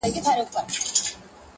هغه کابل د ښو زلمیو وطن.!